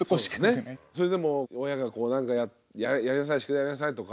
それでも親がこうなんか「やりなさい宿題やりなさい」とか。